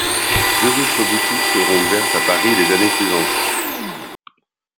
Deux autres boutiques seront ouvertes à Paris les années suivantes.